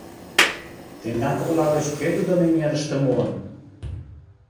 — Тендан кокла гыч кӧ тудым эҥерыште муын?